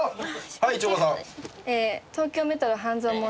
はい一岡さん。